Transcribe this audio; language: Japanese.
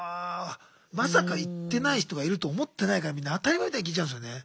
まさか行ってない人がいるとは思ってないからみんな当たり前みたいに聞いちゃうんですよね。